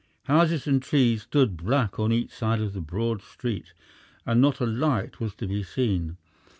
Houses and trees stood black on each side of the broad street, and not a light was to be seen.